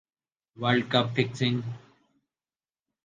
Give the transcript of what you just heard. world cup fixing سکی